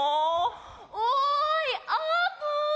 おいあーぷん！